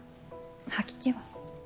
吐き気は？